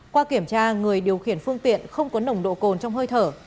qua kiểm tra người điều khiển phương tiện không có nồng độ cồn trong hơi thở